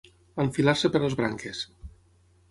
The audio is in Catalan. Enfilar-se per les branques.